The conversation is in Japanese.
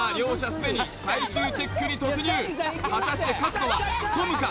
すでに最終チェックに突入果たして勝つのはトムか？